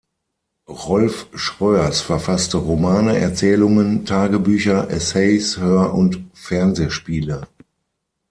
Rolf Schroers verfasste Romane, Erzählungen, Tagebücher, Essays, Hör- und Fernsehspiele.